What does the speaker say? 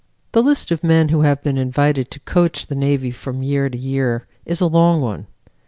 The list of men who have been invited to coach the Navy from year to year is a long one.